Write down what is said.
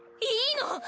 いいの！